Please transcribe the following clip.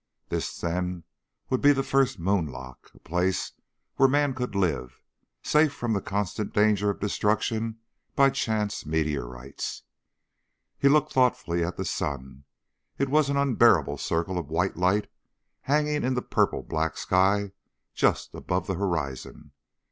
This, then, would be the first moonlock, a place where man could live, safe from the constant danger of destruction by chance meteorites. He looked thoughtfully at the sun. It was an unbearable circle of white light hanging in the purple black sky just above the horizon.